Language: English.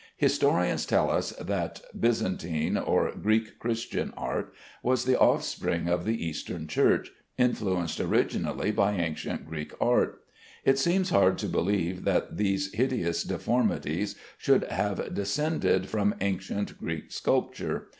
Historians tell us that Byzantine or Greek Christian art was the offspring of the Eastern Church, influenced originally by ancient Greek art. It seems hard to believe that these hideous deformities should have descended from ancient Greek sculpture.